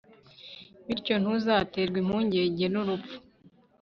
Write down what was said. bityo ntuzaterwa impungenge n'urupfu